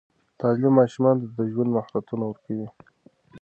تعليم ماشوم ته د ژوند مهارتونه ورکوي.